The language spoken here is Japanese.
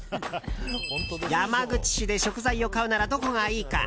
山口市で食材を買うならどこがいいか。